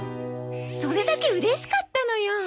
それだけうれしかったのよ。